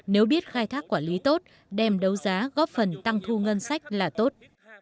nếu biết khai thác quản lý tốt đem đấu giá góp phần tăng thu ngân sách là tốt